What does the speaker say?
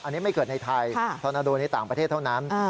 อันนี้ไม่เกิดในไทยทอนาโดในต่างประเทศเท่านั้น